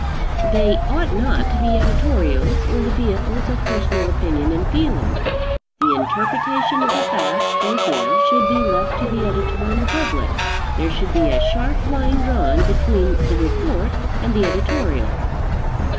They ought not, to be editorials, or the vehicles of personal opinion and feeling. The interpretation of, the facts they give should be left to the editor and the public. There should be a sharp line drawn between the report and the editorial.